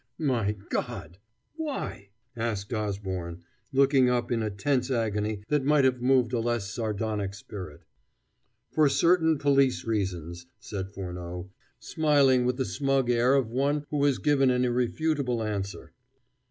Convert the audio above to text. '" "My God! why?" asked Osborne, looking up in a tense agony that might have moved a less sardonic spirit. "For certain police reasons," said Furneaux, smiling with the smug air of one who has given an irrefutable answer.